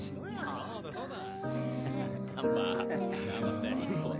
そうだそうだ。